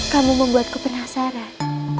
kamu membuatku penasaran